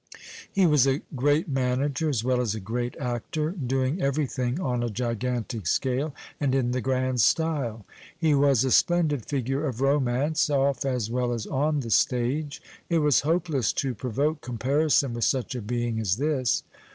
He was a great manager as well as a great actor, doing everything on a gigantic scale and in the grand style. He was a splendid figure of romance, off as well as on the stage. It was hopeless to pro voke comparison with such a being as this.